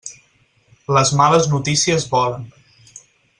Les males notícies volen.